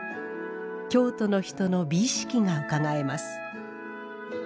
京都の人の美意識がうかがえます